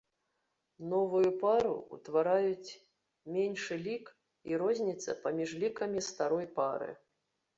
Новую пару ўтвараюць меншы лік і розніца паміж лікамі старой пары.